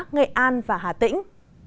nghệ an và hà tĩnh